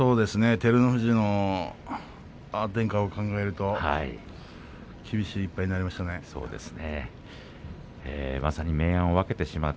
照ノ富士の安定感を考えると厳しい１敗になりましたね。